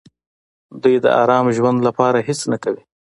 دوی د ارام ژوند لپاره هېڅ نه کوي.